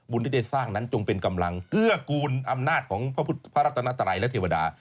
ที่ได้สร้างนั้นจงเป็นกำลังเกื้อกูลอำนาจของพระรัตนาตรัยและเทวดา